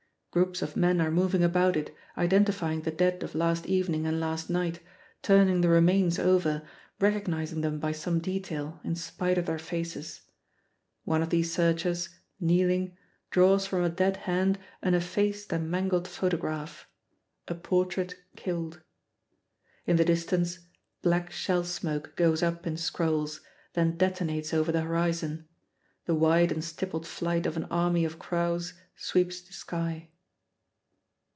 Groups of men are moving about it, identifying the dead of last evening and last night, turning the remains over, recognizing them by some detail in spite of their faces. One of these searchers, kneeling, draws from a dead hand an effaced and mangled photograph a portrait killed. In the distance, black shell smoke goes up in scrolls, then detonates over the horizon. The wide and stippled flight of an army of crows sweeps the sky.